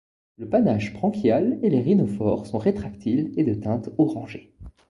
Le panache branchial et les rhinophores sont rétractiles et de teinte orangée.